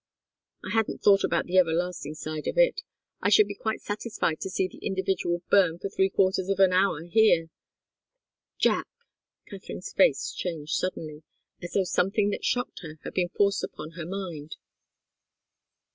"I hadn't thought about the everlasting side of it. I should be quite satisfied to see the individual burn for three quarters of an hour here." "Jack " Katharine's face changed suddenly, as though something that shocked her had been forced upon her mind.